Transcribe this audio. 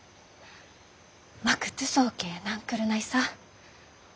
まくとぅそーけーなんくるないさー。